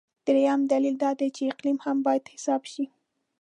درېیم دلیل دا دی چې اقلیم هم باید حساب شي.